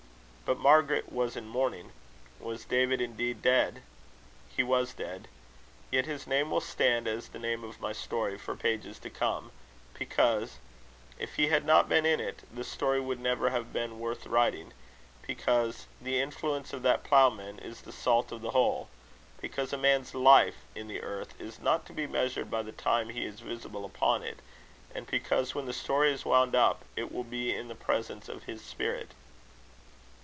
But Margaret was in mourning: was David indeed dead? He was dead. Yet his name will stand as the name of my story for pages to come; because, if he had not been in it, the story would never have been worth writing; because the influence of that ploughman is the salt of the whole; because a man's life in the earth is not to be measured by the time he is visible upon it; and because, when the story is wound up, it will be in the presence of his spirit.